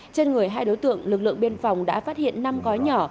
trên người hai đối tượng lực lượng biên phòng đã phát hiện năm gói nhỏ